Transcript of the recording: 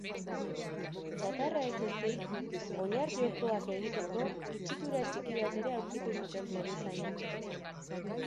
Txatarra ez ezik, oilar-jokoak egiteko itxitura txiki bat ere aurkitu zuten foruzainek.